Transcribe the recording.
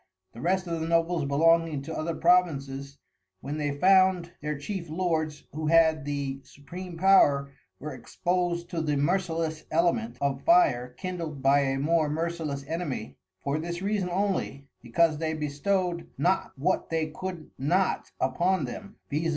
The rest of the Nobles belonging to other Provinces, when they found their Chief Lords, who had the Supreme Power were expos'd to the Merciless Element of Fire kindled by a more merciless Enemy; for this Reason only, becauase they bestow'd not what they could not upon them, _viz.